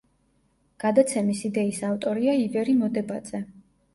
გადაცემის იდეის ავტორია ივერი მოდებაძე.